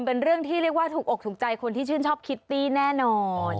เป็นเรื่องที่เรียกว่าถูกอกถูกใจคนที่ชื่นชอบคิตตี้แน่นอน